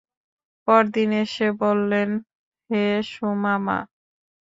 পরদিন এসে বললেন, হে সুমামা!